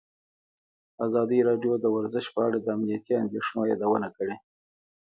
ازادي راډیو د ورزش په اړه د امنیتي اندېښنو یادونه کړې.